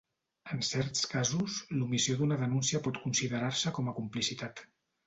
En certs casos, l'omissió d'una denúncia pot considerar-se com a complicitat.